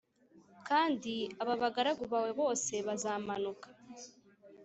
Kandi aba bagaragu bawe bose bazamanuka